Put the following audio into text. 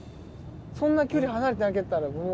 そんな距離離れてなかったらもう。